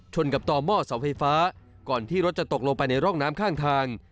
กับต่อหม้อเสาไฟฟ้าก่อนที่รถจะตกลงไปในร่องน้ำข้างทาง